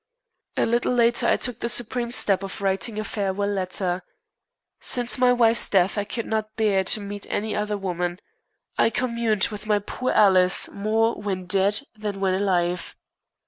A little later, I took the supreme step of writing a farewell letter. Since my wife's death I could not bear to meet any other woman. I communed with my poor Alice more when dead than when alive.